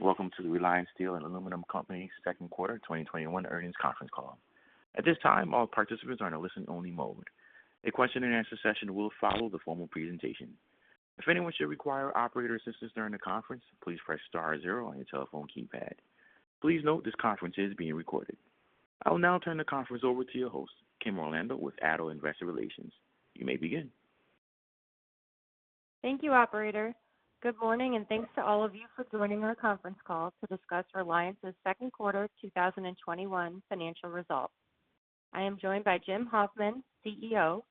Good evening. Welcome to the Reliance Steel & Aluminum Co Second Quarter 2021 Earnings Conference Call. At this time, all participants are in a listen-only mode. A question-and-answer session will follow the formal presentation. If anyone should require operator assistance during the conference, please press star zero on your telephone keypad. Please note this conference is being recorded. I will now turn the conference over to your host, Kim Orlando, with ADDO Investor Relations. You may begin. Thank you, operator. Good morning, and thanks to all of you for joining our conference call to discuss Reliance's Second Quarter 2021 Financial Results. I am joined by Jim Hoffman, CEO,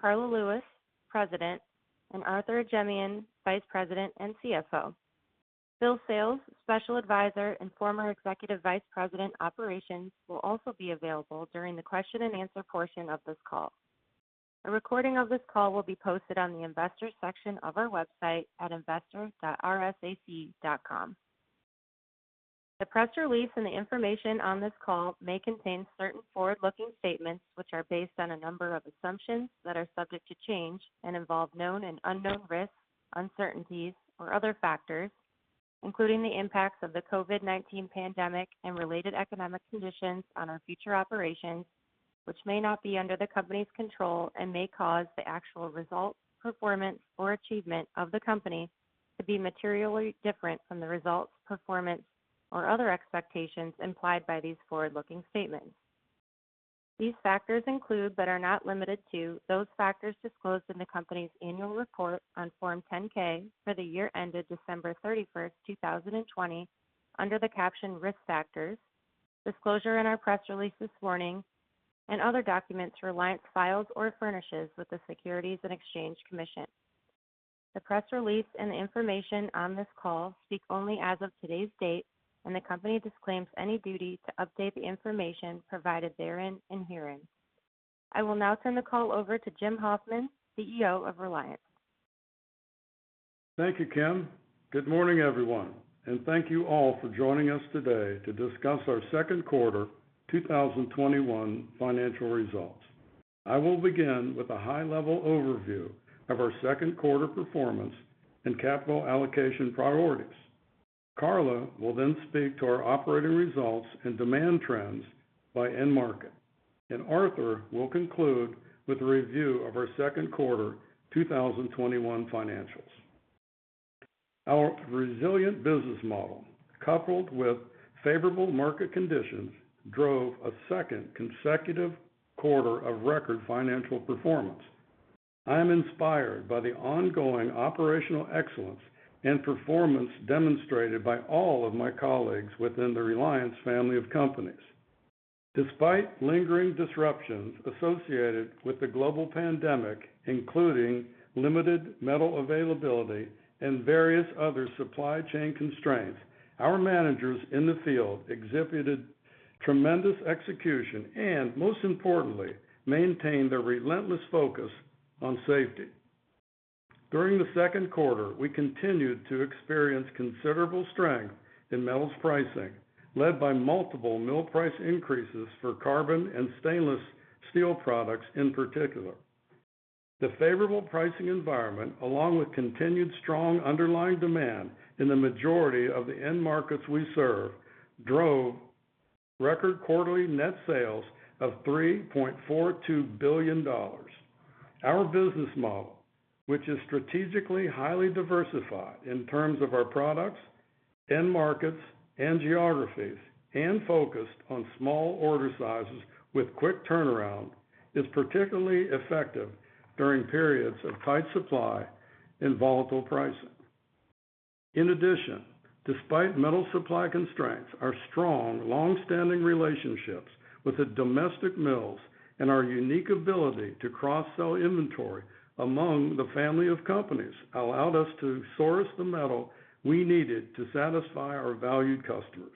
Karla Lewis, President, and Arthur Ajemyan, Vice President and CFO. Bill Sales, Special Advisor and former Executive Vice President, Operations, will also be available during the question-and-answer portion of this call. A recording of this call will be posted on the Investors section of our website at investors.rsac.com. The press release and the information on this call may contain certain forward-looking statements which are based on a number of assumptions that are subject to change and involve known and unknown risks, uncertainties or other factors, including the impacts of the COVID-19 pandemic and related economic conditions on our future operations, which may not be under the company's control and may cause the actual result, performance, or achievement of the company to be materially different from the results, performance, or other expectations implied by these forward-looking statements. These factors include, but are not limited to, those factors disclosed in the company's annual report on Form 10-K for the year ended December 31st, 2020 under the caption Risk Factors, disclosure in our press release this morning, and other documents Reliance files or furnishes with the Securities and Exchange Commission. The press release and the information on this call speak only as of today's date, and the company disclaims any duty to update the information provided therein and herein. I will now turn the call over to Jim Hoffman, CEO of Reliance. Thank you, Kim. Good morning, everyone, and thank you all for joining us today to discuss our second quarter 2021 financial results. I will begin with a high-level overview of our second quarter performance and capital allocation priorities. Karla will speak to our operating results and demand trends by end market. Arthur will conclude with a review of our second quarter 2021 financials. Our resilient business model, coupled with favorable market conditions, drove a second consecutive quarter of record financial performance. I am inspired by the ongoing operational excellence and performance demonstrated by all of my colleagues within the Reliance family of companies. Despite lingering disruptions associated with the global pandemic, including limited metal availability and various other supply chain constraints, our managers in the field exhibited tremendous execution and, most importantly, maintained their relentless focus on safety. During the second quarter, we continued to experience considerable strength in metals pricing, led by multiple mill price increases for carbon and stainless steel products in particular. The favorable pricing environment, along with continued strong underlying demand in the majority of the end markets we serve, drove record quarterly net sales of $3.42 billion. Our business model, which is strategically highly diversified in terms of our products, end markets, and geographies, and focused on small order sizes with quick turnaround, is particularly effective during periods of tight supply and volatile pricing. In addition, despite metal supply constraints, our strong, long-standing relationships with the domestic mills and our unique ability to cross-sell inventory among the family of companies allowed us to source the metal we needed to satisfy our valued customers.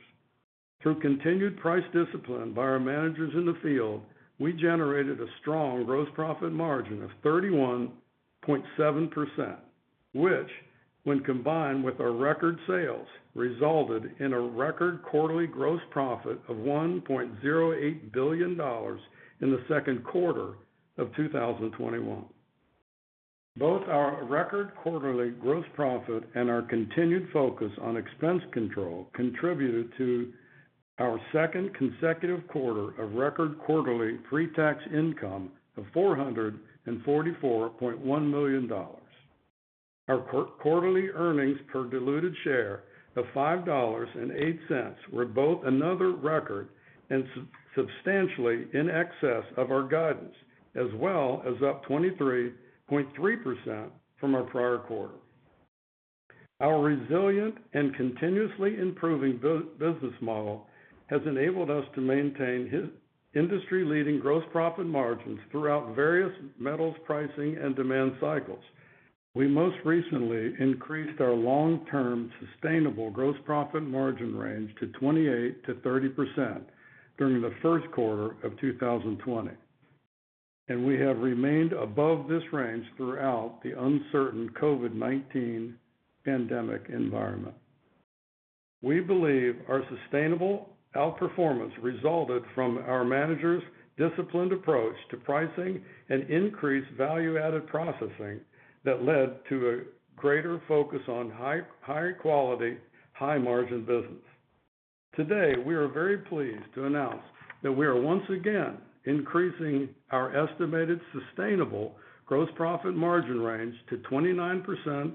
Through continued price discipline by our managers in the field, we generated a strong gross profit margin of 31.7%, which, when combined with our record sales, resulted in a record quarterly gross profit of $1.08 billion in the second quarter of 2021. Both our record quarterly gross profit and our continued focus on expense control contributed to our second consecutive quarter of record quarterly pre-tax income of $444.1 million. Our quarterly earnings per diluted share of $5.08 were both another record and substantially in excess of our guidance, as well as up 23.3% from our prior quarter. Our resilient and continuously improving business model has enabled us to maintain industry-leading gross profit margins throughout various metals pricing and demand cycles. We most recently increased our long-term sustainable gross profit margin range to 28%-30% during the first quarter of 2020. We have remained above this range throughout the uncertain COVID-19 pandemic environment. We believe our sustainable outperformance resulted from our managers' disciplined approach to pricing and increased value-added processing that led to a greater focus on high-quality, high-margin business. Today, we are very pleased to announce that we are once again increasing our estimated sustainable gross profit margin range to 29%-31%.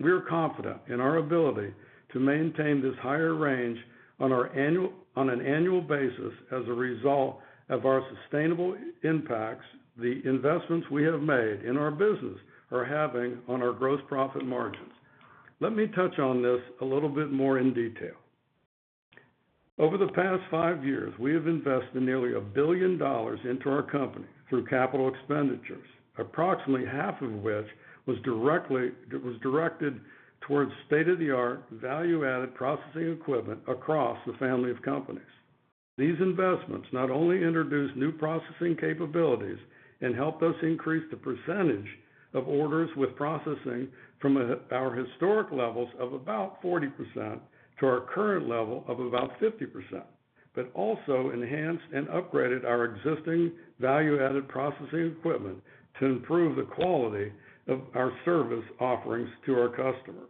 We are confident in our ability to maintain this higher range on an annual basis as a result of our sustainable impacts the investments we have made in our business are having on our gross profit margins. Let me touch on this a little bit more in detail. Over the past five years, we have invested nearly $1 billion into our company through capital expenditures, approximately half of which was directed towards state-of-the-art, value-added processing equipment across the family of companies. These investments not only introduced new processing capabilities and helped us increase the percentage of orders with processing from our historic levels of about 40% to our current level of about 50%, but also enhanced and upgraded our existing value-added processing equipment to improve the quality of our service offerings to our customers.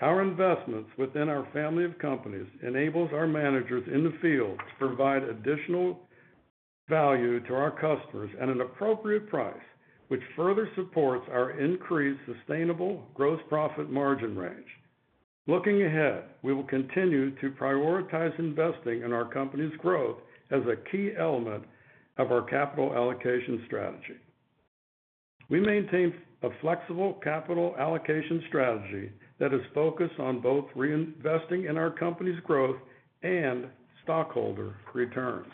Our investments within our family of companies enables our managers in the field to provide additional value to our customers at an appropriate price, which further supports our increased sustainable gross profit margin range. Looking ahead, we will continue to prioritize investing in our company's growth as a key element of our capital allocation strategy. We maintain a flexible capital allocation strategy that is focused on both reinvesting in our company's growth and stockholder returns.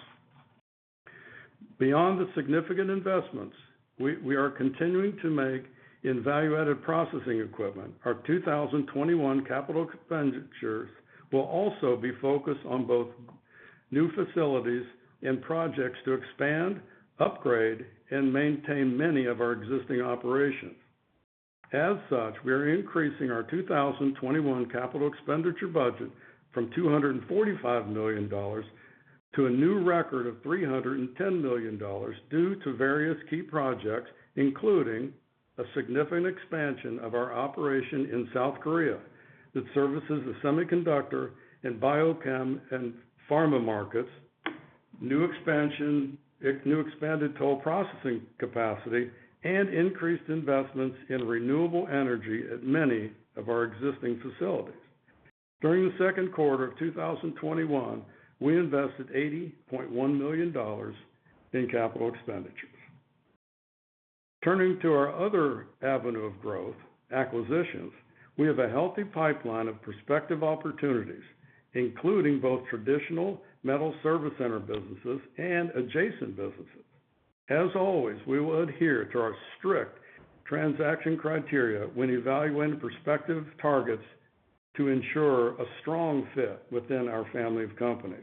Beyond the significant investments we are continuing to make in value-added processing equipment, our 2021 capital expenditures will also be focused on both new facilities and projects to expand, upgrade, and maintain many of our existing operations. As such, we are increasing our 2021 capital expenditure budget from $245 million to a new record of $310 million due to various key projects, including a significant expansion of our operation in South Korea that services the semiconductor and biotech and pharma markets, new expanded toll processing capacity, and increased investments in renewable energy at many of our existing facilities. During the second quarter of 2021, we invested $80.1 million in capital expenditures. Turning to our other avenue of growth, acquisitions, we have a healthy pipeline of prospective opportunities, including both traditional metal service center businesses and adjacent businesses. As always, we will adhere to our strict transaction criteria when evaluating prospective targets to ensure a strong fit within our family of companies.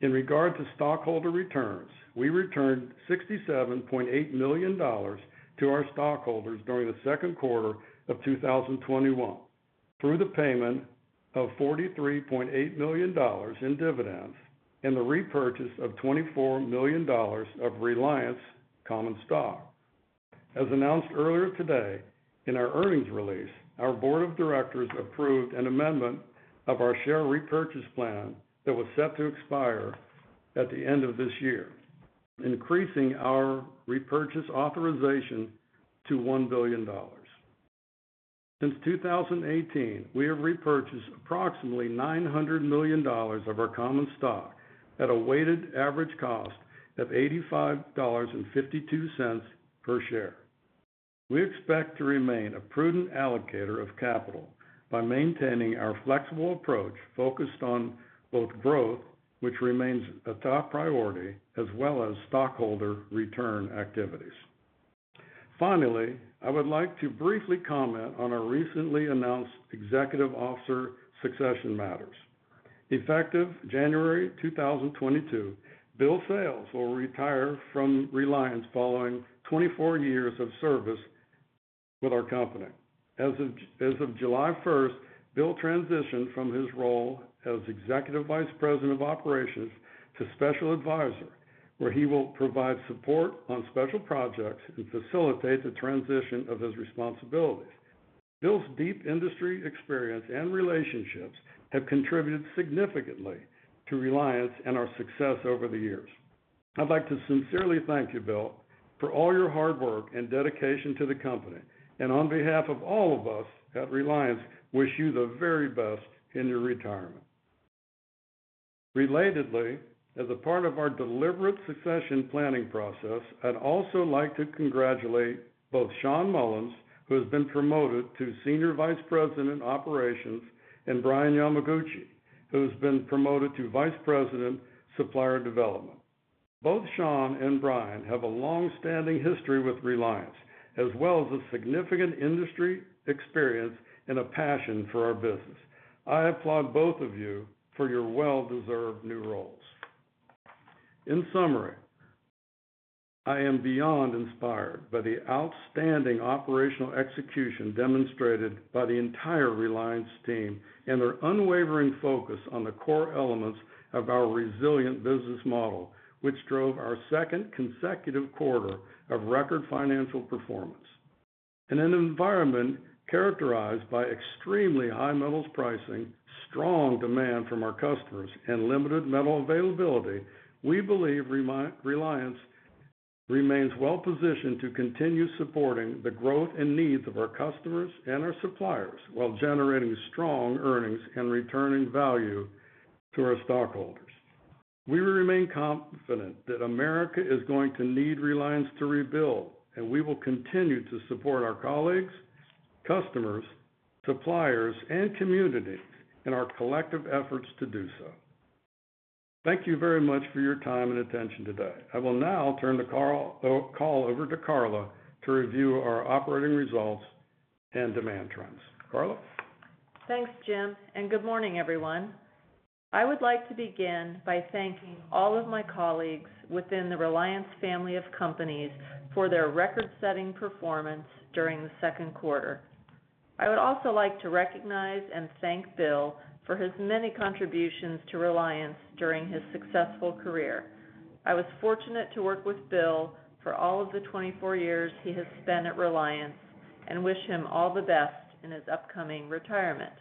In regard to stockholder returns, we returned $67.8 million to our stockholders during the second quarter of 2021 through the payment of $43.8 million in dividends and the repurchase of $24 million of Reliance common stock. As announced earlier today in our earnings release, our board of directors approved an amendment of our share repurchase plan that was set to expire at the end of this year, increasing our repurchase authorization to $1 billion. Since 2018, we have repurchased approximately $900 million of our common stock at a weighted average cost of $85.52 per share. We expect to remain a prudent allocator of capital by maintaining our flexible approach focused on both growth, which remains a top priority, as well as stockholder return activities. Finally, I would like to briefly comment on our recently announced executive officer succession matters. Effective January 2022, Bill Sales will retire from Reliance following 24 years of service with our company. As of July 1st, Bill transitioned from his role as Executive Vice President of Operations to Special Advisor, where he will provide support on special projects and facilitate the transition of his responsibilities. Bill's deep industry experience and relationships have contributed significantly to Reliance and our success over the years. I'd like to sincerely thank you, Bill, for all your hard work and dedication to the company, and on behalf of all of us at Reliance, wish you the very best in your retirement. Relatedly, as a part of our deliberate succession planning process, I'd also like to congratulate both Sean Mollins, who has been promoted to Senior Vice President, Operations, and Brian Yamaguchi, who has been promoted to Vice President, Supplier Development. Both Sean and Brian have a long-standing history with Reliance, as well as a significant industry experience and a passion for our business. I applaud both of you for your well-deserved new roles. In summary, I am beyond inspired by the outstanding operational execution demonstrated by the entire Reliance team and their unwavering focus on the core elements of our resilient business model, which drove our second consecutive quarter of record financial performance. In an environment characterized by extremely high metals pricing, strong demand from our customers, and limited metal availability, we believe Reliance remains well-positioned to continue supporting the growth and needs of our customers and our suppliers while generating strong earnings and returning value to our stockholders. We remain confident that America is going to need Reliance to rebuild, and we will continue to support our colleagues, customers, suppliers, and communities in our collective efforts to do so. Thank you very much for your time and attention today. I will now turn the call over to Karla to review our operating results and demand trends. Karla? Thanks, Jim. Good morning, everyone. I would like to begin by thanking all of my colleagues within the Reliance family of companies for their record-setting performance during the second quarter. I would also like to recognize and thank Bill for his many contributions to Reliance during his successful career. I was fortunate to work with Bill for all of the 24 years he has spent at Reliance and wish him all the best in his upcoming retirement.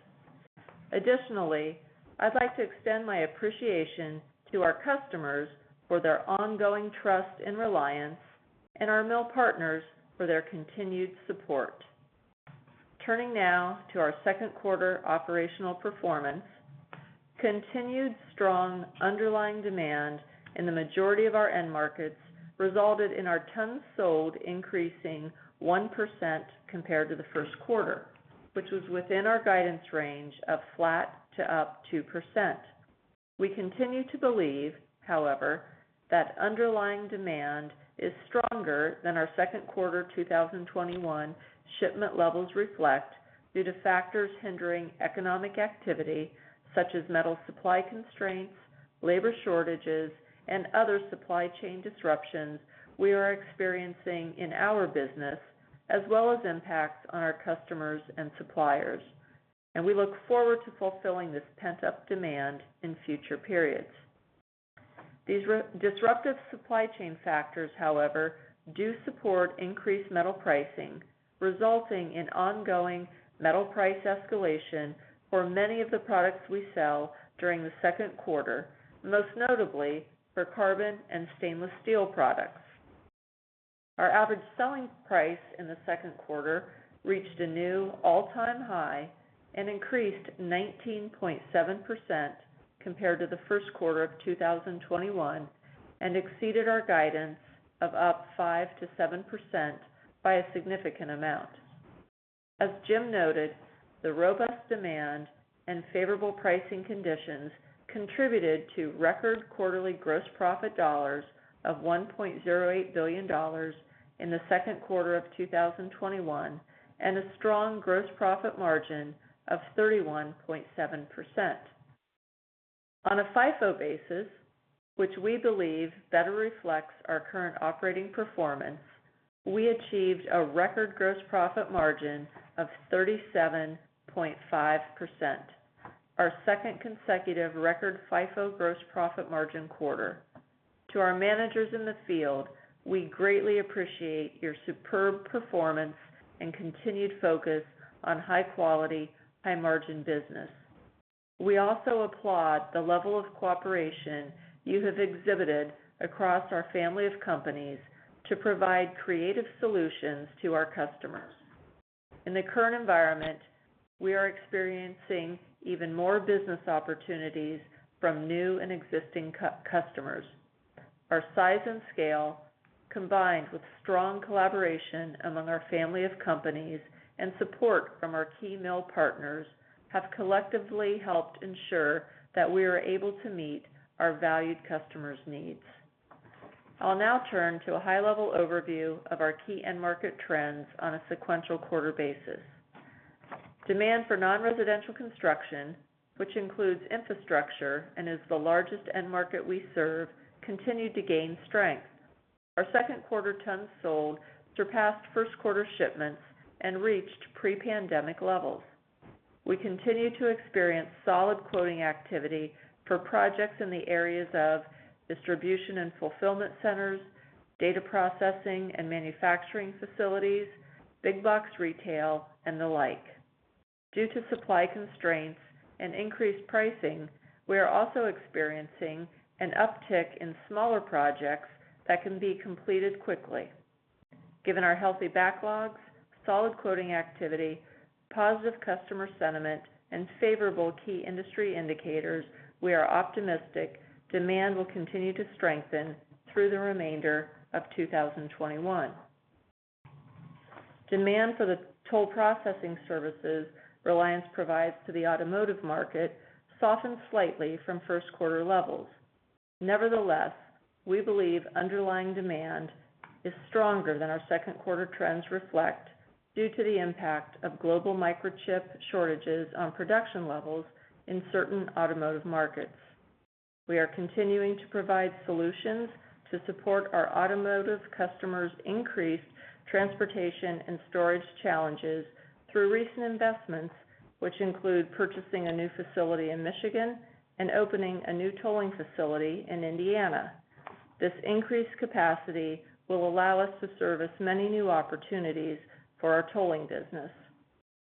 Additionally, I'd like to extend my appreciation to our customers for their ongoing trust and reliance, and our mill partners for their continued support. Turning now to our second quarter operational performance. Continued strong underlying demand in the majority of our end markets resulted in our tons sold increasing 1% compared to the first quarter, which was within our guidance range of flat to up 2%. We continue to believe, however, that underlying demand is stronger than our second quarter 2021 shipment levels reflect due to factors hindering economic activity such as metal supply constraints, labor shortages, and other supply chain disruptions we are experiencing in our business as well as impacts on our customers and suppliers. We look forward to fulfilling this pent-up demand in future periods. These disruptive supply chain factors, however, do support increased metal pricing, resulting in ongoing metal price escalation for many of the products we sell during the second quarter, most notably for carbon and stainless steel products. Our average selling price in the second quarter reached a new all-time high and increased 19.7% compared to the first quarter of 2021 and exceeded our guidance of up 5%-7% by a significant amount. As Jim noted, the robust demand and favorable pricing conditions contributed to record quarterly gross profit dollars of $1.08 billion in the second quarter of 2021, and a strong gross profit margin of 31.7%. On a FIFO basis, which we believe better reflects our current operating performance, we achieved a record gross profit margin of 37.5%, our second consecutive record FIFO gross profit margin quarter. To our managers in the field, we greatly appreciate your superb performance and continued focus on high-quality, high-margin business. We also applaud the level of cooperation you have exhibited across our family of companies to provide creative solutions to our customers. In the current environment, we are experiencing even more business opportunities from new and existing customers. Our size and scale, combined with strong collaboration among our family of companies and support from our key mill partners, have collectively helped ensure that we are able to meet our valued customers' needs. I'll now turn to a high-level overview of our key end market trends on a sequential quarter basis. Demand for non-residential construction, which includes infrastructure and is the largest end market we serve, continued to gain strength. Our second quarter tons sold surpassed first-quarter shipments and reached pre-pandemic levels. We continue to experience solid quoting activity for projects in the areas of distribution and fulfillment centers, data processing and manufacturing facilities, big box retail, and the like. Due to supply constraints and increased pricing, we are also experiencing an uptick in smaller projects that can be completed quickly. Given our healthy backlogs, solid quoting activity, positive customer sentiment, and favorable key industry indicators, we are optimistic demand will continue to strengthen through the remainder of 2021. Demand for the toll processing services Reliance provides to the automotive market softened slightly from first-quarter levels. Nevertheless, we believe underlying demand is stronger than our second quarter trends reflect due to the impact of global microchip shortages on production levels in certain automotive markets. We are continuing to provide solutions to support our automotive customers' increased transportation and storage challenges through recent investments, which include purchasing a new facility in Michigan and opening a new tolling facility in Indiana. This increased capacity will allow us to service many new opportunities for our tolling business.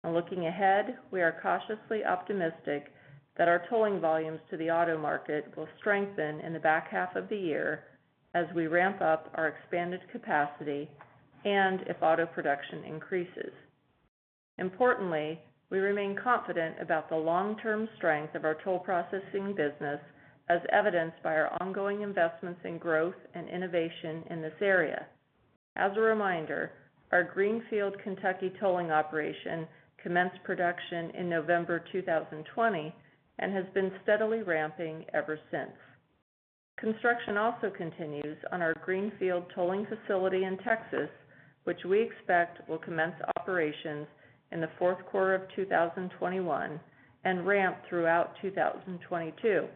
Looking ahead, we are cautiously optimistic that our tolling volumes to the auto market will strengthen in the back half of the year as we ramp up our expanded capacity and if auto production increases. Importantly, we remain confident about the long-term strength of our toll processing business, as evidenced by our ongoing investments in growth and innovation in this area. As a reminder, our greenfield Kentucky tolling operation commenced production in November 2020 and has been steadily ramping ever since. Construction also continues on our greenfield tolling facility in Texas, which we expect will commence operations in the fourth quarter of 2021 and ramp throughout 2022.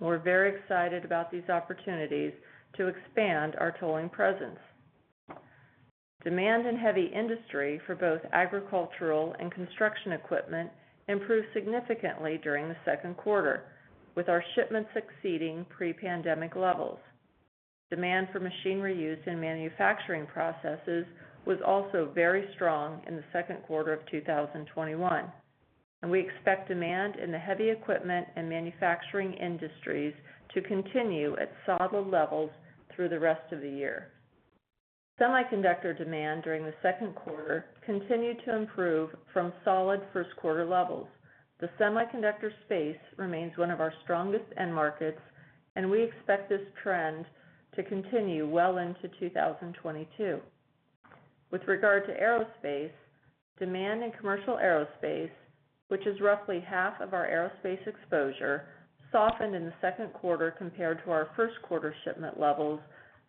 We're very excited about these opportunities to expand our tolling presence. Demand in heavy industry for both agricultural and construction equipment improved significantly during the second quarter, with our shipments exceeding pre-pandemic levels. Demand for machinery use in manufacturing processes was also very strong in the second quarter of 2021, and we expect demand in the heavy equipment and manufacturing industries to continue at solid levels through the rest of the year. Semiconductor demand during the second quarter continued to improve from solid first quarter levels. The semiconductor space remains one of our strongest end markets, and we expect this trend to continue well into 2022. With regard to aerospace, demand in commercial aerospace, which is roughly half of our aerospace exposure, softened in the second quarter compared to our first quarter shipment levels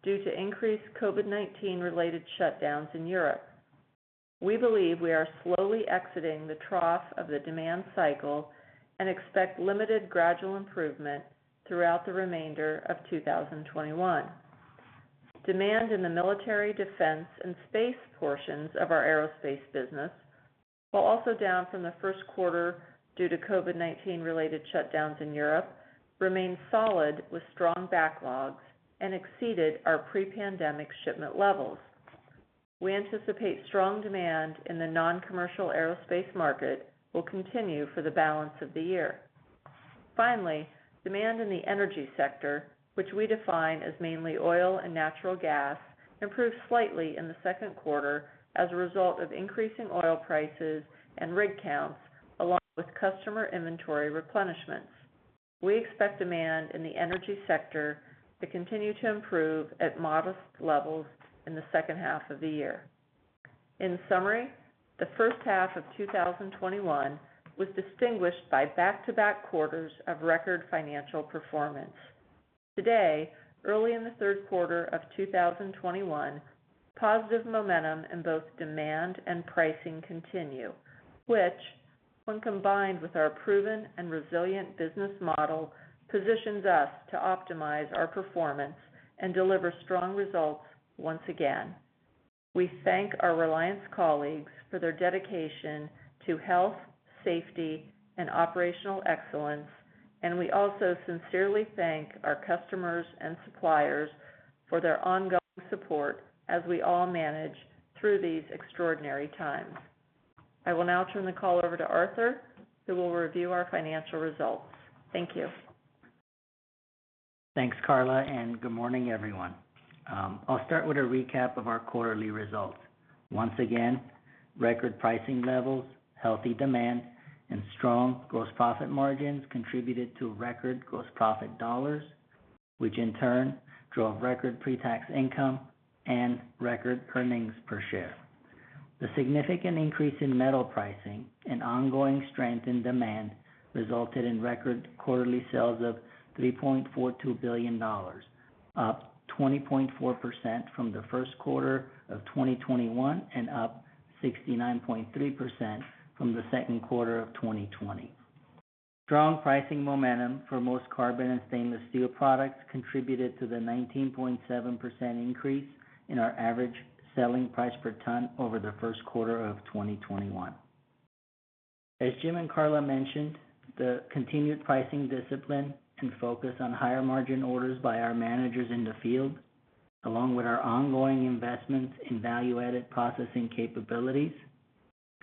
due to increased COVID-19 related shutdowns in Europe. We believe we are slowly exiting the trough of the demand cycle and expect limited gradual improvement throughout the remainder of 2021. Demand in the military defense and space portions of our aerospace business, while also down from the first quarter due to COVID-19 related shutdowns in Europe, remained solid with strong backlogs and exceeded our pre-pandemic shipment levels. We anticipate strong demand in the non-commercial aerospace market will continue for the balance of the year. Finally, demand in the energy sector, which we define as mainly oil and natural gas, improved slightly in the second quarter as a result of increasing oil prices and rig counts, along with customer inventory replenishments. We expect demand in the energy sector to continue to improve at modest levels in the second half of the year. In summary, the first half of 2021 was distinguished by back-to-back quarters of record financial performance. Today, early in the third quarter of 2021, positive momentum in both demand and pricing continue, which, when combined with our proven and resilient business model, positions us to optimize our performance and deliver strong results once again. We thank our Reliance colleagues for their dedication to health, safety, and operational excellence, and we also sincerely thank our customers and suppliers for their ongoing support as we all manage through these extraordinary times. I will now turn the call over to Arthur, who will review our financial results. Thank you. Thanks, Karla, and good morning, everyone. I'll start with a recap of our quarterly results. Once again, record pricing levels, healthy demand, and strong gross profit margins contributed to record gross profit dollars, which in turn drove record pre-tax income and record earnings per share. The significant increase in metal pricing and ongoing strength in demand resulted in record quarterly sales of $3.42 billion, up 20.4% from the first quarter of 2021 and up 69.3% from the second quarter of 2020. Strong pricing momentum for most carbon and stainless steel products contributed to the 19.7% increase in our average selling price per ton over the first quarter of 2021. As Jim and Karla mentioned, the continued pricing discipline and focus on higher margin orders by our managers in the field, along with our ongoing investments in value-added processing capabilities,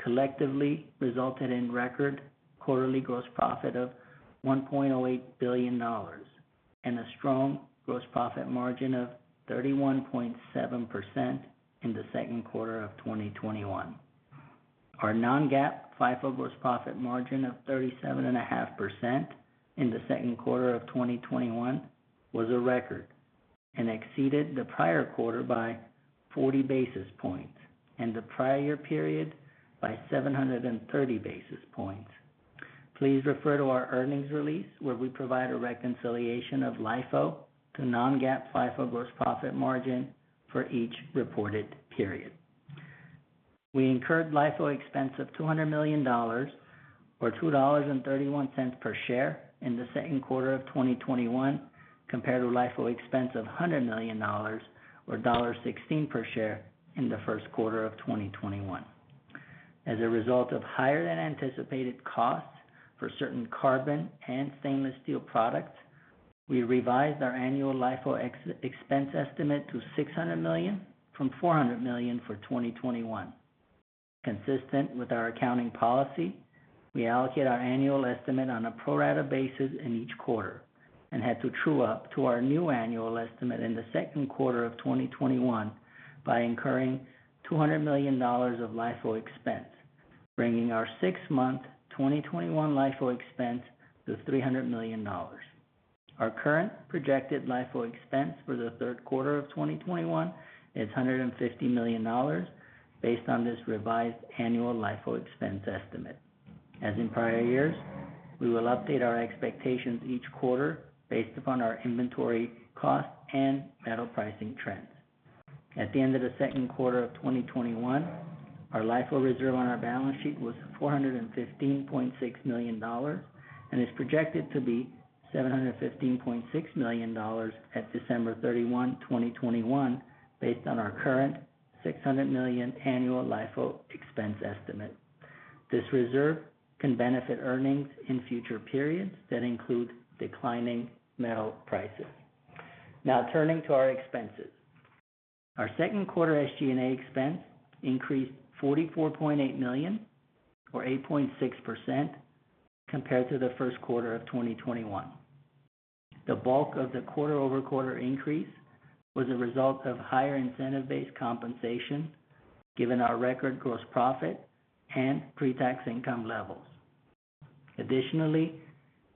collectively resulted in record quarterly gross profit of $1.08 billion and a strong gross profit margin of 31.7% in the second quarter of 2021. Our non-GAAP FIFO gross profit margin of 37.5% in the second quarter of 2021 was a record, and exceeded the prior quarter by 40 basis points, and the prior period by 730 basis points. Please refer to our earnings release, where we provide a reconciliation of LIFO to non-GAAP FIFO gross profit margin for each reported period. We incurred LIFO expense of $200 million, or $2.31 per share in the second quarter of 2021, compared to LIFO expense of $100 million or $1.16 per share in the first quarter of 2021. As a result of higher than anticipated costs for certain carbon and stainless steel products, we revised our annual LIFO expense estimate to $600 million from $400 million for 2021. Consistent with our accounting policy, we allocate our annual estimate on a pro rata basis in each quarter and had to true up to our new annual estimate in the second quarter of 2021 by incurring $200 million of LIFO expense, bringing our six-month 2021 LIFO expense to $300 million. Our current projected LIFO expense for the third quarter of 2021 is $150 million based on this revised annual LIFO expense estimate. As in prior years, we will update our expectations each quarter based upon our inventory costs and metal pricing trends. At the end of the second quarter of 2021, our LIFO reserve on our balance sheet was $415.6 million and is projected to be $715.6 million at December 31, 2021, based on our current $600 million annual LIFO expense estimate. This reserve can benefit earnings in future periods that include declining metal prices. Turning to our expenses. Our second quarter SG&A expense increased $44.8 million or 8.6% compared to the first quarter of 2021. The bulk of the quarter-over-quarter increase was a result of higher incentive-based compensation given our record gross profit and pre-tax income levels. Additionally,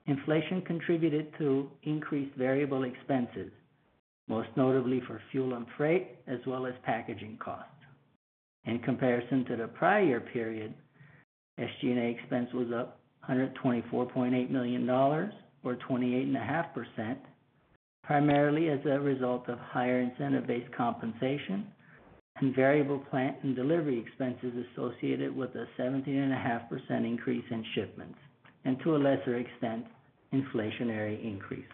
inflation contributed to increased variable expenses, most notably for fuel and freight, as well as packaging costs. In comparison to the prior period, SG&A expense was up $124.8 million or 28.5%, primarily as a result of higher incentive-based compensation and variable plant and delivery expenses associated with a 17.5% increase in shipments, and to a lesser extent, inflationary increases.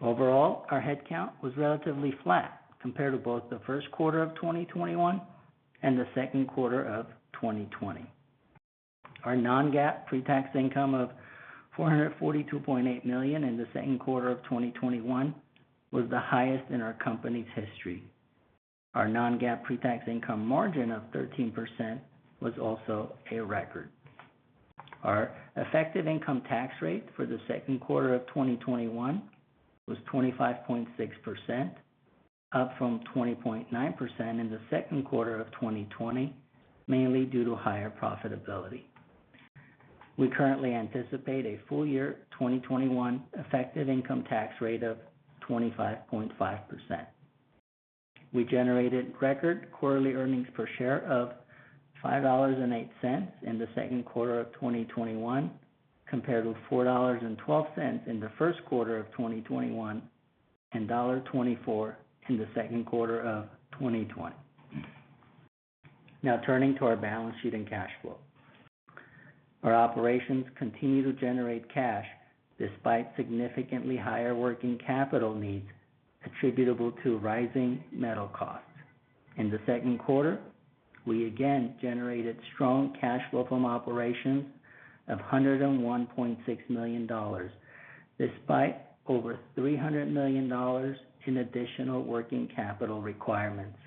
Overall, our headcount was relatively flat compared to both the first quarter of 2021 and the second quarter of 2020. Our non-GAAP pre-tax income of $442.8 million in the second quarter of 2021 was the highest in our company's history. Our non-GAAP pre-tax income margin of 13% was also a record. Our effective income tax rate for the second quarter of 2021 was 25.6%, up from 20.9% in the second quarter of 2020, mainly due to higher profitability. We currently anticipate a full year 2021 effective income tax rate of 25.5%. We generated record quarterly earnings per share of $5.08 in the second quarter of 2021, compared with $4.12 in the first quarter of 2021 and $1.24 in the second quarter of 2020. Now turning to our balance sheet and cash flow. Our operations continue to generate cash despite significantly higher working capital needs attributable to rising metal costs. In the second quarter, we again generated strong cash flow from operations of $101.6 million, despite over $300 million in additional working capital requirements.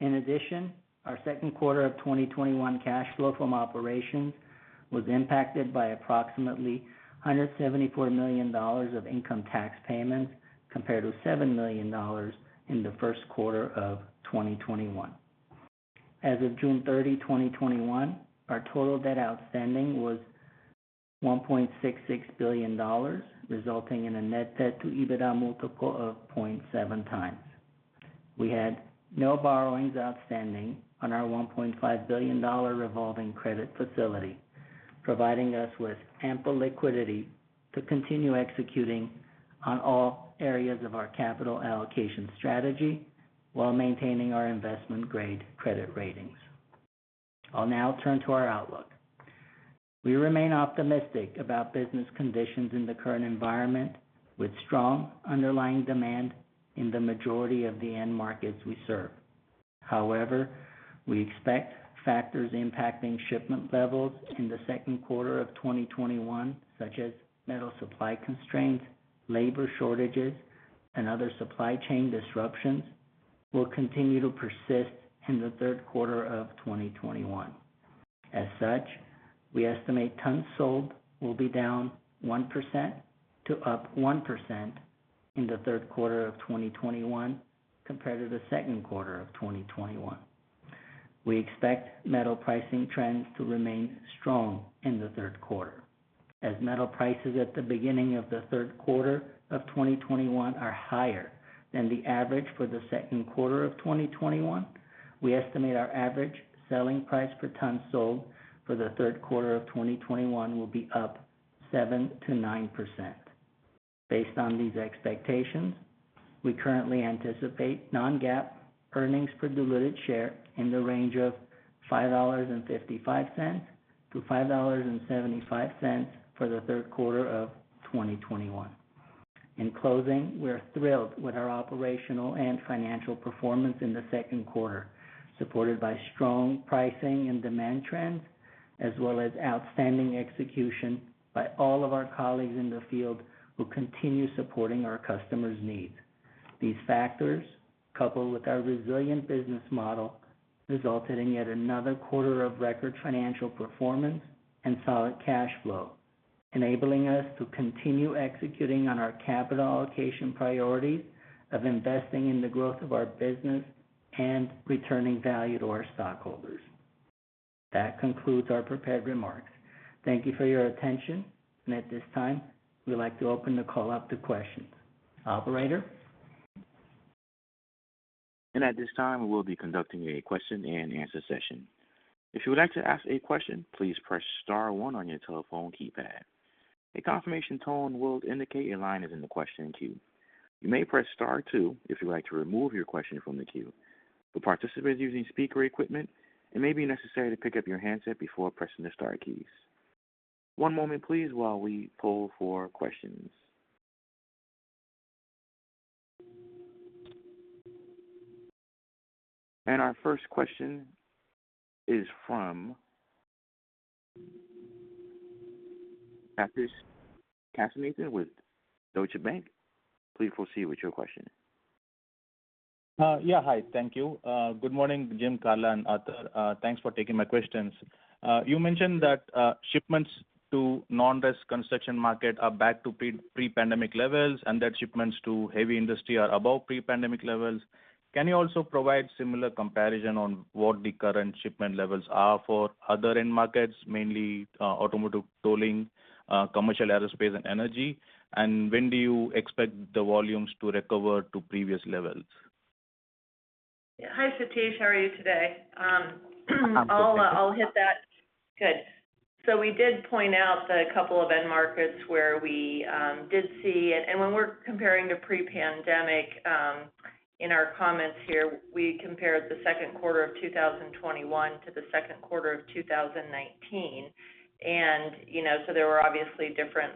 In addition, our second quarter of 2021 cash flow from operations was impacted by approximately $174 million of income tax payments, compared with $7 million in the first quarter of 2021. As of June 30, 2021, our total debt outstanding was $1.66 billion, resulting in a net debt to EBITDA multiple of 0.7x. We had no borrowings outstanding on our $1.5 billion revolving credit facility, providing us with ample liquidity to continue executing on all areas of our capital allocation strategy while maintaining our investment-grade credit ratings. I'll now turn to our outlook. We remain optimistic about business conditions in the current environment with strong underlying demand in the majority of the end markets we serve. However, we expect factors impacting shipment levels in the second quarter of 2021, such as metal supply constraints, labor shortages, and other supply chain disruptions, will continue to persist in the third quarter of 2021. As such, we estimate tons sold will be down 1% to up 1% in the third quarter of 2021 compared to the second quarter of 2021. We expect metal pricing trends to remain strong in the third quarter. As metal prices at the beginning of the third quarter of 2021 are higher than the average for the second quarter of 2021, we estimate our average selling price per ton sold for the third quarter of 2021 will be up 7%-9%. Based on these expectations, we currently anticipate non-GAAP earnings per diluted share in the range of $5.55-$5.75 for the third quarter of 2021. In closing, we're thrilled with our operational and financial performance in the second quarter, supported by strong pricing and demand trends, as well as outstanding execution by all of our colleagues in the field who continue supporting our customers' needs. These factors, coupled with our resilient business model, resulted in yet another quarter of record financial performance and solid cash flow, enabling us to continue executing on our capital allocation priorities of investing in the growth of our business and returning value to our stockholders. That concludes our prepared remarks. Thank you for your attention. At this time, we'd like to open the call up to questions. Operator? At this time we will be conducting question-and-answer session. If you would like to ask a question please press star one on your telephone keypad. A confirmation tone will indicate your line is in the question queue. You may press star two if you like to remove your question from the queue. To participate using speaker equipment you maybe required to pick up your handset before pressing the star keys. One moment please while we go for our questions. Our first question is from Sathish Kasinathan with Deutsche Bank. Please proceed with your question. Yeah. Hi, thank you. Good morning, Jim, Karla, and Arthur. Thanks for taking my questions. You mentioned that shipments to non-res construction market are back to pre-pandemic levels, and that shipments to heavy industry are above pre-pandemic levels. Can you also provide similar comparison on what the current shipment levels are for other end markets, mainly automotive, tolling, commercial aerospace, and energy? When do you expect the volumes to recover to previous levels? Hi, Sathish. How are you today? I'll hit that. Good. We did point out the couple of end markets where we did see it. When we're comparing to pre-pandemic, in our comments here, we compared the second quarter of 2021 to the second quarter of 2019. There were obviously different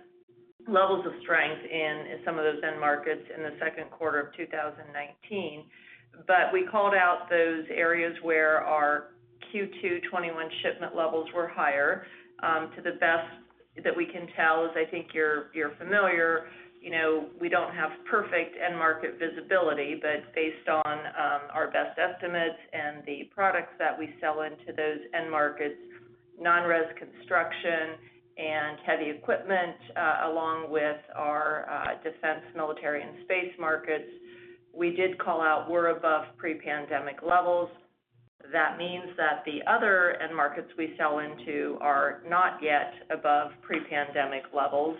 levels of strength in some of those end markets in the second quarter of 2019. We called out those areas where our Q2 2021 shipment levels were higher. To the best that we can tell, as I think you're familiar, we don't have perfect end market visibility, but based on our best estimates and the products that we sell into those end markets, non-res construction and heavy equipment, along with our defense, military, and space markets, we did call out we're above pre-pandemic levels. That means that the other end markets we sell into are not yet above pre-pandemic levels.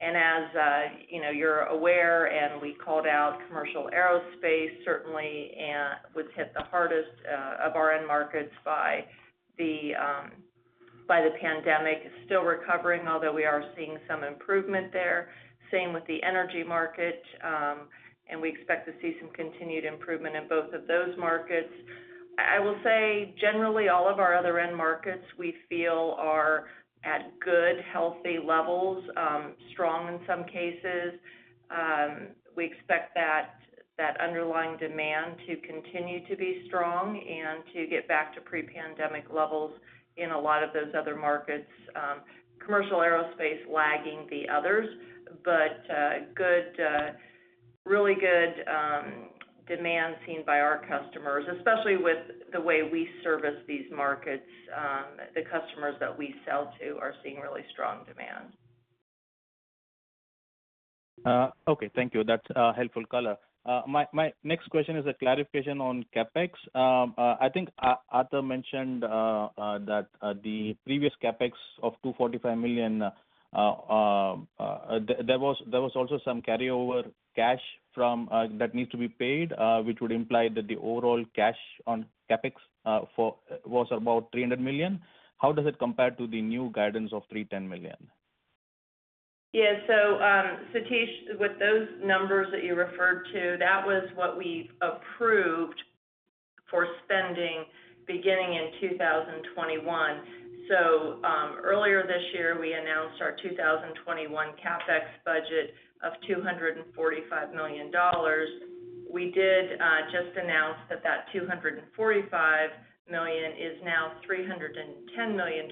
As you're aware, and we called out commercial aerospace certainly was hit the hardest of our end markets by the pandemic. It's still recovering, although we are seeing some improvement there. Same with the energy market. We expect to see some continued improvement in both of those markets. I will say, generally, all of our other end markets we feel are at good, healthy levels, strong in some cases. We expect that underlying demand to continue to be strong and to get back to pre-pandemic levels in a lot of those other markets. Commercial aerospace lagging the others, but really good demand seen by our customers, especially with the way we service these markets. The customers that we sell to are seeing really strong demand. Okay. Thank you. That's a helpful color. My next question is a clarification on CapEx. I think Arthur mentioned that the previous CapEx of $245 million, there was also some carryover cash that needs to be paid, which would imply that the overall cash on CapEx was about $300 million. How does it compare to the new guidance of $310 million? Sathish, with those numbers that you referred to, that was what we approved for spending beginning in 2021. Earlier this year, we announced our 2021 CapEx budget of $245 million. We did just announce that that $245 million is now $310 million.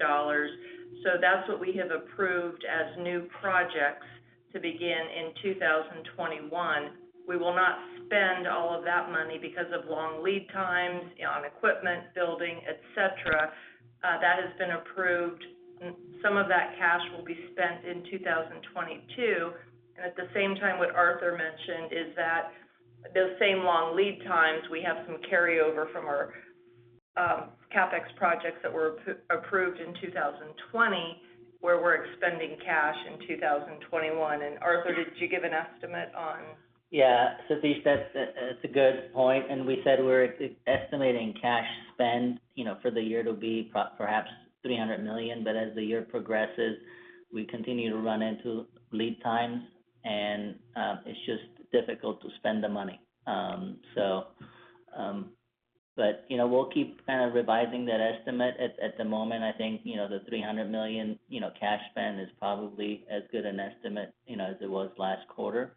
That's what we have approved as new projects to begin in 2021. We will not spend all of that money because of long lead times on equipment, building, et cetera. That has been approved. Some of that cash will be spent in 2022. At the same time, what Arthur mentioned is that those same long lead times, we have some carryover from our CapEx projects that were approved in 2020, where we're expending cash in 2021. Arthur, did you give an estimate on? Yeah. Sathish, that's a good point. We said we're estimating cash spend for the year to be perhaps $300 million, but as the year progresses, we continue to run into lead times, and it's just difficult to spend the money. We'll keep kind of revising that estimate. At the moment, I think, the $300 million cash spend is probably as good an estimate as it was last quarter,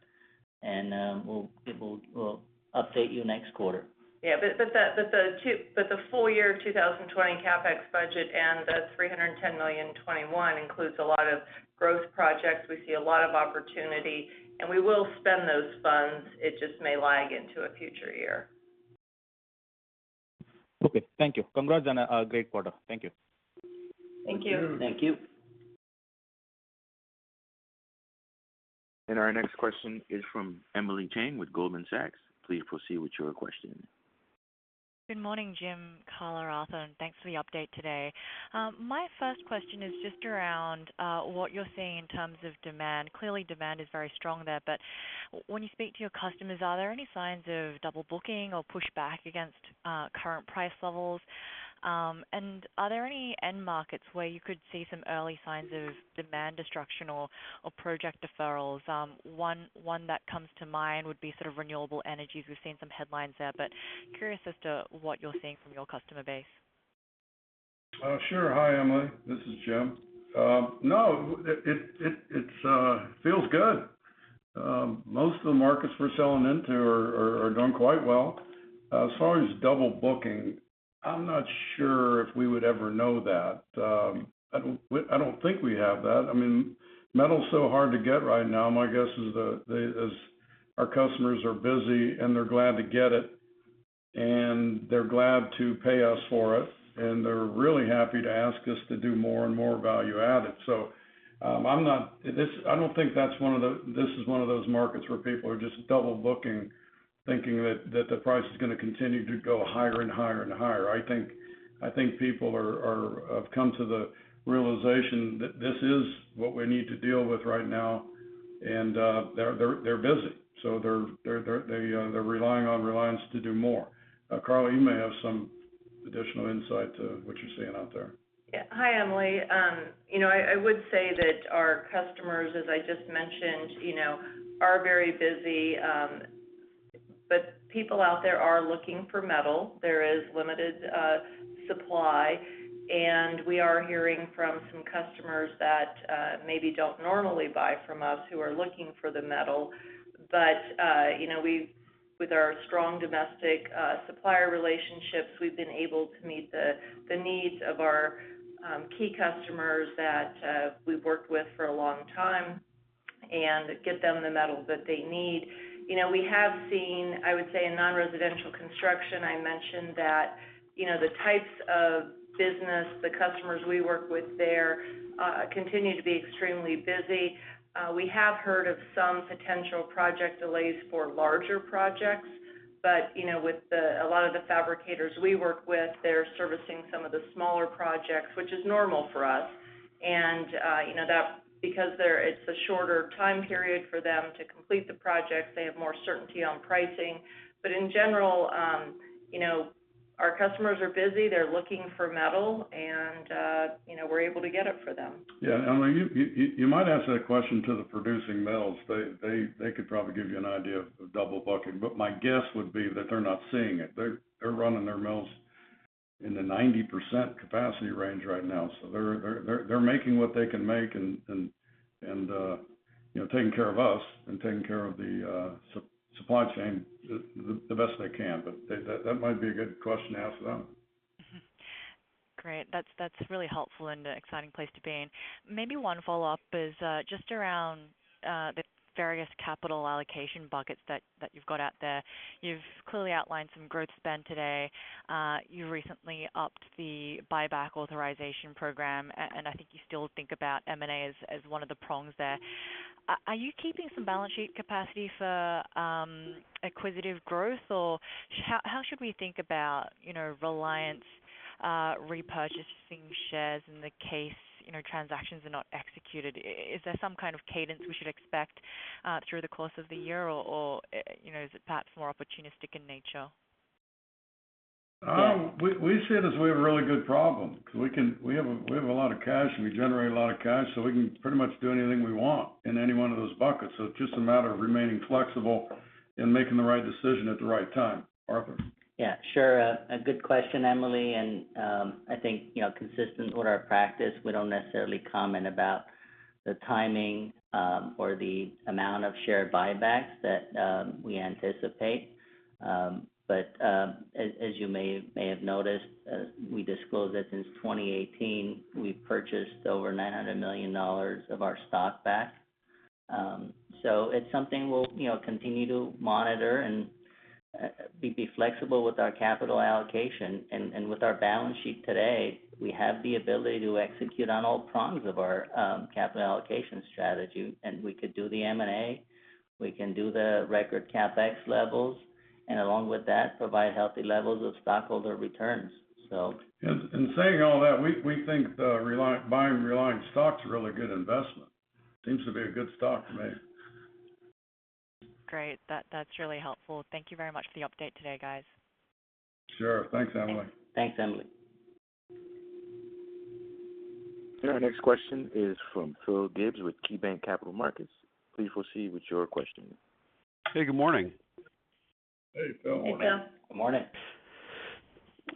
and we'll update you next quarter. Yeah, the full year 2020 CapEx budget and the $310 million in 2021 includes a lot of growth projects. We see a lot of opportunity, and we will spend those funds. It just may lag into a future year. Okay. Thank you. Congrats on a great quarter. Thank you. Thank you. Thank you. Our next question is from Emily Chieng with Goldman Sachs. Please proceed with your question. Good morning, Jim, Karla, Arthur, and thanks for the update today. My first question is just around what you're seeing in terms of demand. Clearly, demand is very strong there, but when you speak to your customers, are there any signs of double booking or pushback against current price levels? Are there any end markets where you could see some early signs of demand destruction or project deferrals? One that comes to mind would be sort of renewable energies. We've seen some headlines there, but curious as to what you're seeing from your customer base. Sure. Hi, Emily. This is Jim. No, it feels good. Most of the markets we're selling into are doing quite well. As far as double booking, I'm not sure if we would ever know that. I don't think we have that. Metal's so hard to get right now, my guess is our customers are busy, and they're glad to get it, and they're glad to pay us for it, and they're really happy to ask us to do more and more value add. I don't think this is one of those markets where people are just double booking, thinking that the price is going to continue to go higher and higher and higher. I think people have come to the realization that this is what we need to deal with right now, and they're busy. They're relying on Reliance to do more. Karla, you may have some additional insight to what you're seeing out there. Hi, Emily. I would say that our customers, as I just mentioned, are very busy. People out there are looking for metal. There is limited supply, we are hearing from some customers that maybe don't normally buy from us who are looking for the metal. With our strong domestic supplier relationships, we've been able to meet the needs of our key customers that we've worked with for a long time and get them the metal that they need. We have seen, I would say, in non-residential construction, I mentioned that the types of business, the customers we work with there, continue to be extremely busy. We have heard of some potential project delays for larger projects, with a lot of the fabricators we work with, they're servicing some of the smaller projects, which is normal for us. Because it's a shorter time period for them to complete the projects, they have more certainty on pricing. In general, our customers are busy. They're looking for metal, and we're able to get it for them. Yeah. Emily, you might ask that question to the producing mills. They could probably give you an idea of double booking. My guess would be that they're not seeing it. They're running their mills in the 90% capacity range right now. They're making what they can make and taking care of us and taking care of the supply chain the best they can. That might be a good question to ask them. Great. That's really helpful and an exciting place to be in. Maybe one follow-up is just around the various capital allocation buckets that you've got out there. You've clearly outlined some growth spend today. You recently upped the buyback authorization program, and I think you still think about M&A as one of the prongs there. Are you keeping some balance sheet capacity for acquisitive growth, or how should we think about Reliance repurchasing shares in the case transactions are not executed? Is there some kind of cadence we should expect through the course of the year, or is it perhaps more opportunistic in nature? We see it as we have a really good problem because we have a lot of cash, and we generate a lot of cash, so we can pretty much do anything we want in any one of those buckets. It's just a matter of remaining flexible and making the right decision at the right time. Arthur. Yeah. Sure. A good question, Emily. I think consistent with our practice, we don't necessarily comment about the timing or the amount of share buybacks that we anticipate. As you may have noticed, we disclosed that since 2018, we've purchased over $900 million of our stock back. It's something we'll continue to monitor and be flexible with our capital allocation. With our balance sheet today, we have the ability to execute on all prongs of our capital allocation strategy, and we could do the M&A. We can do the record CapEx levels, and along with that, provide healthy levels of stockholder returns. Saying all that, we think buying Reliance stock is a really good investment. Seems to be a good stock to me. Great. That's really helpful. Thank you very much for the update today, guys. Sure. Thanks, Emily. Thanks, Emily. Our next question is from Phil Gibbs with KeyBanc Capital Markets. Please proceed with your question. Hey, good morning. Hey, Phil. Hey, Phil. Good morning.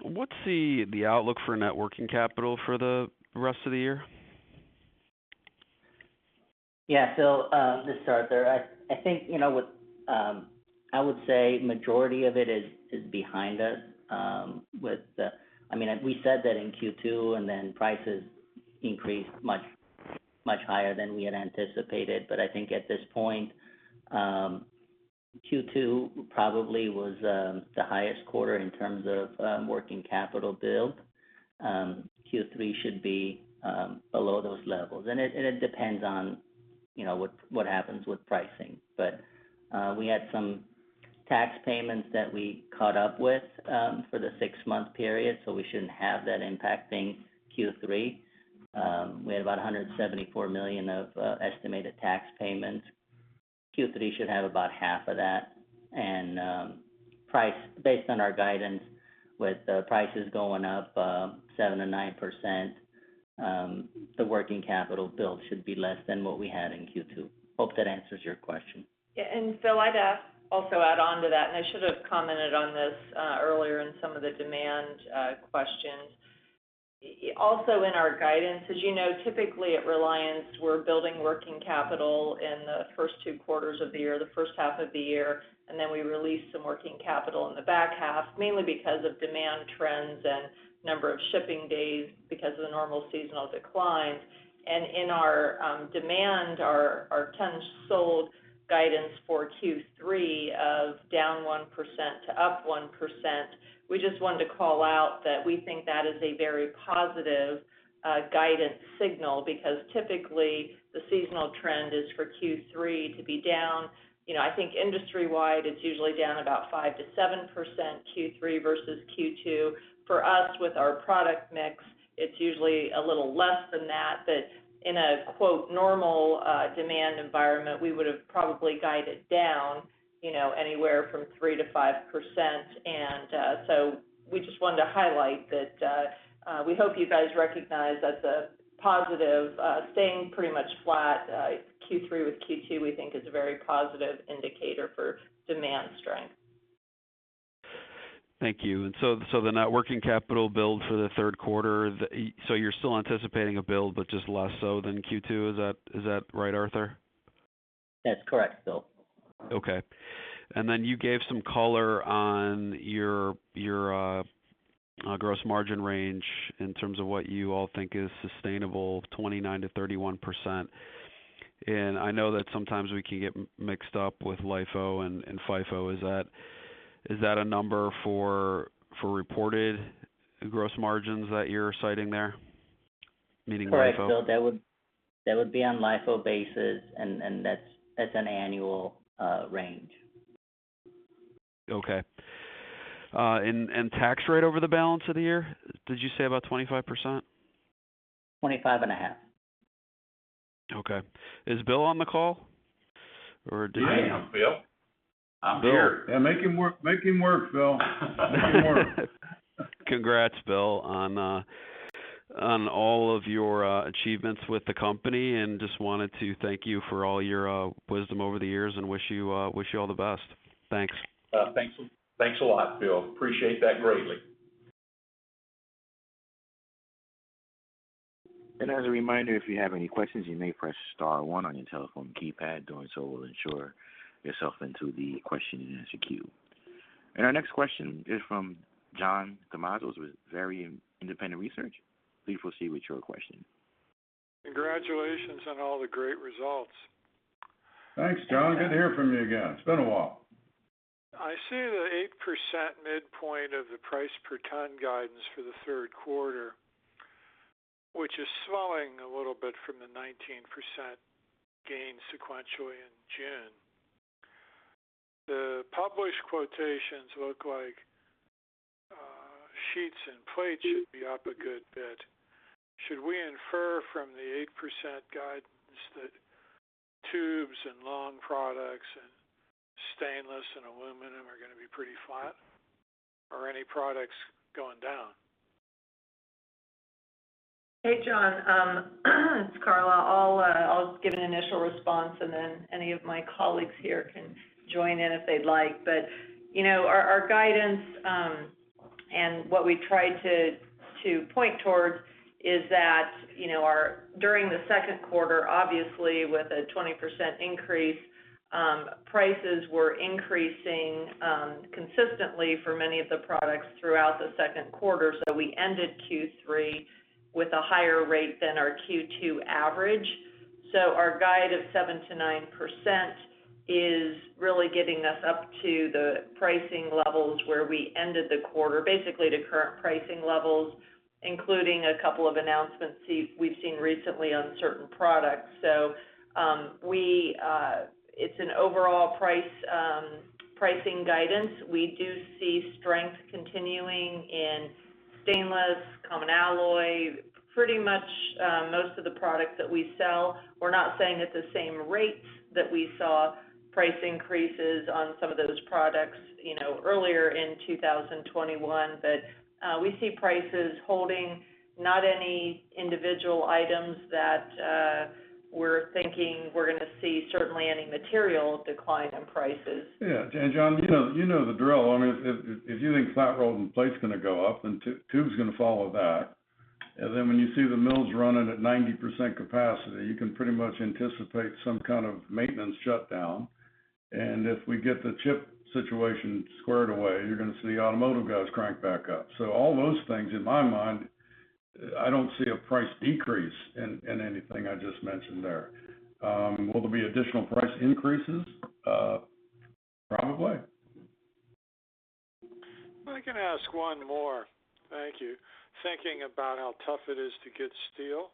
What's the outlook for networking capital for the rest of the year? Phil Gibbs, this is Arthur. I would say majority of it is behind us. We said that in Q2, prices increased much higher than we had anticipated. At this point, Q2 probably was the highest quarter in terms of working capital build. Q3 should be below those levels. It depends on what happens with pricing. We had some tax payments that we caught up with for the six-month period, we shouldn't have that impacting Q3. We had about $174 million of estimated tax payments. Q3 should have about half of that. Based on our guidance, with prices going up 7%-9%, the working capital build should be less than what we had in Q2. Hope that answers your question. Yeah. Phil, I'd also add on to that, and I should've commented on this earlier in some of the demand questions. Also in our guidance, as you know, typically at Reliance, we're building working capital in the first two quarters of the year, the first half of the year, and then we release some working capital in the back half, mainly because of demand trends and number of shipping days because of the normal seasonal decline. In our demand, our tons sold guidance for Q3 of down 1% to up 1%, we just wanted to call out that we think that is a very positive guidance signal because typically, the seasonal trend is for Q3 to be down. I think industry-wide, it's usually down about 5% to 7% Q3 versus Q2. For us, with our product mix, it's usually a little less than that, but in a "normal" demand environment, we would've probably guided down anywhere from 3%-5%. We just wanted to highlight that we hope you guys recognize that's a positive. Staying pretty much flat, Q3 with Q2, we think, is a very positive indicator for demand strength. Thank you. The net working capital build for the third quarter, so you're still anticipating a build, but just less so than Q2. Is that right, Arthur? That's correct, Phil. Okay. Then you gave some color on your gross margin range in terms of what you all think is sustainable, 29%-31%. I know that sometimes we can get mixed up with LIFO and FIFO. Is that a number for reported gross margins that you're citing there, meaning LIFO? Correct, Phil. That would be on LIFO basis. That's an annual range. Okay. Tax rate over the balance of the year, did you say about 25%? 25.5%. Okay. Is Bill on the call? I am, Phil. I'm here. Make him work, Bill. Make him work. Congrats, Bill, on all of your achievements with the company. Just wanted to thank you for all your wisdom over the years and wish you all the best. Thanks. Thanks a lot, Phil. Appreciate that greatly. As a reminder, if you have any questions, you may press star one on your telephone keypad. Doing so will ensure yourself into the question and answer queue. Our next question is from John Tumazos with John Tumazos Very Independent Research. Please proceed with your question. Congratulations on all the great results. Thanks, John. Good to hear from you again. It's been a while. I see the 8% midpoint of the price per ton guidance for the third quarter, which is slowing a little bit from the 19% gain sequentially in June. The published quotations look like sheets and plates should be up a good bit. Should we infer from the 8% guidance that tubes and long products and stainless and aluminum are going to be pretty flat? Any products going down? Hey, John. It's Karla. I'll give an initial response, and then any of my colleagues here can join in if they'd like. Our guidance, and what we tried to point towards is that during the second quarter, obviously with a 20% increase, prices were increasing consistently for many of the products throughout the second quarter. We ended Q2 with a higher rate than our Q2 average. Our guide of 7%-9% is really getting us up to the pricing levels where we ended the quarter, basically to current pricing levels, including a couple of announcements we've seen recently on certain products. It's an overall pricing guidance. We do see strength continuing in stainless, common alloy, pretty much most of the products that we sell. We're not saying at the same rates that we saw price increases on some of those products earlier in 2021. We see prices holding, not any individual items that we're thinking we're going to see certainly any material decline in prices. Yeah. John, you know the drill. If you think flat rolled and plate's going to go up, tube's going to follow that. When you see the mills running at 90% capacity, you can pretty much anticipate some kind of maintenance shutdown. If we get the chip situation squared away, you're going to see automotive guys crank back up. All those things, in my mind, I don't see a price decrease in anything I just mentioned there. Will there be additional price increases? Probably. I can ask one more. Thank you. Thinking about how tough it is to get steel,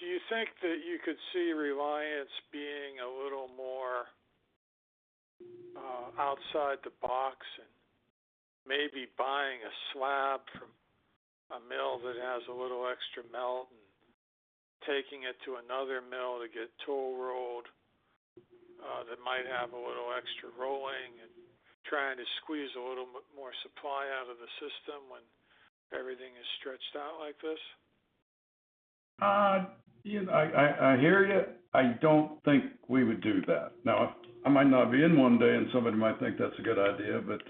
do you think that you could see Reliance being a little more outside the box and maybe buying a slab from a mill that has a little extra melt and taking it to another mill to get toll rolled, that might have a little extra rolling and trying to squeeze a little bit more supply out of the system when everything is stretched out like this? I hear you. I don't think we would do that. I might not be in one day and somebody might think that's a good idea, but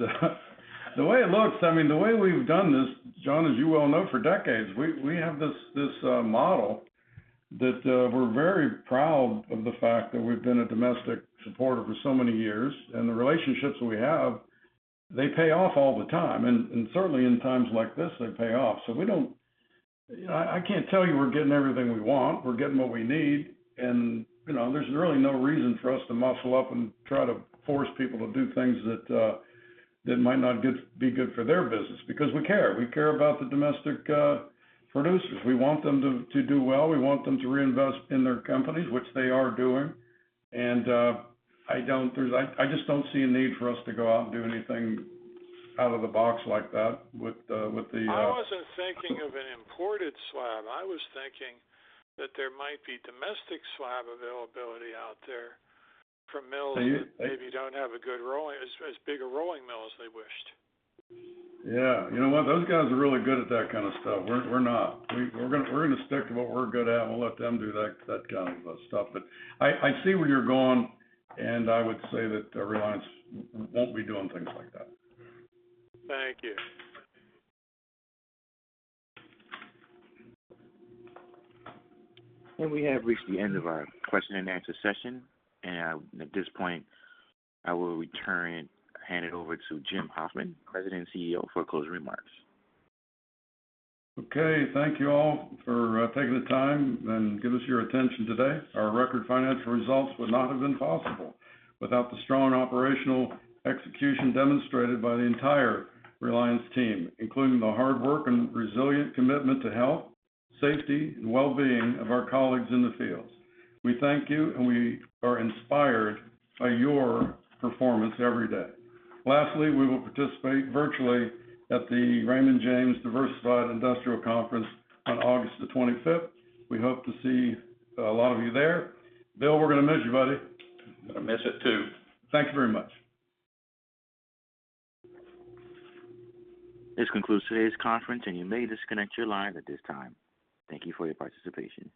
the way it looks, the way we've done this, John, as you well know, for decades, we have this model that we're very proud of the fact that we've been a domestic supporter for so many years. The relationships we have, they pay off all the time. Certainly, in times like this, they pay off. I can't tell you we're getting everything we want. We're getting what we need, and there's really no reason for us to muscle up and try to force people to do things that might not be good for their business because we care. We care about the domestic producers. We want them to do well. We want them to reinvest in their companies, which they are doing. I just don't see a need for us to go out and do anything out of the box like that. I wasn't thinking of an imported slab. I was thinking that there might be domestic slab availability out there from mills that maybe don't have as big a rolling mill as they wished. Yeah. You know what? Those guys are really good at that kind of stuff. We're not. We're going to stick to what we're good at and we'll let them do that kind of stuff. I see where you're going, and I would say that Reliance won't be doing things like that. Thank you. We have reached the end of our question and answer session. At this point, I will hand it over to Jim Hoffman, President and CEO, for closing remarks. Okay. Thank you all for taking the time and giving us your attention today. Our record financial results would not have been possible without the strong operational execution demonstrated by the entire Reliance team, including the hard work and resilient commitment to health, safety, and wellbeing of our colleagues in the fields. We thank you, and we are inspired by your performance every day. Lastly, we will participate virtually at the Raymond James Diversified Industrials Conference on August the 25th. We hope to see a lot of you there. Bill, we're going to miss you, buddy. Going to miss it, too. Thank you very much. This concludes today's conference, and you may disconnect your line at this time. Thank you for your participation.